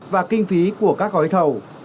và kinh phí của các gói thầu